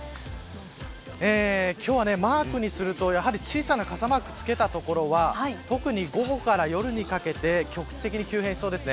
今日はマークにすると小さな傘マーク付けた所は特に午後から夜にかけて局地的に急変しそうです。